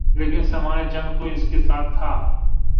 لیکن سامان جنگ تو ان کے ساتھ تھا۔